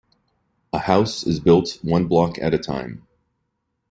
A house is built one block at a time.